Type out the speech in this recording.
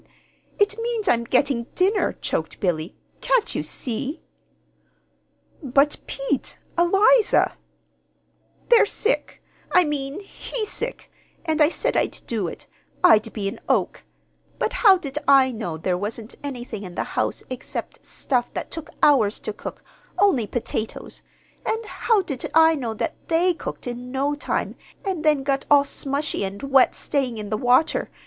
It means I'm getting dinner," choked Billy. "Can't you see?" "But Pete! Eliza!" "They're sick I mean he's sick; and I said I'd do it. I'd be an oak. But how did I know there wasn't anything in the house except stuff that took hours to cook only potatoes? And how did I know that they cooked in no time, and then got all smushy and wet staying in the water?